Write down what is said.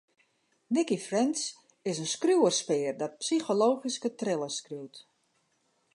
Nicci French is in skriuwerspear dat psychologyske thrillers skriuwt.